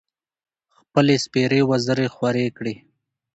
خپـلې سپـېرې وزرې خـورې کـړې.